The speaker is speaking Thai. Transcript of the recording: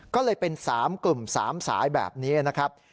ก็เลยเป็น๓กลุ่ม๓สายแบบนี้นะครับ